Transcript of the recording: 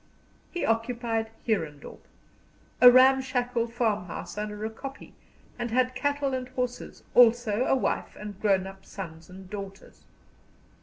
He occupied Heerendorp, a ramshackle farmhouse under a kopje, and had cattle and horses, also a wife and grown up sons and daughters.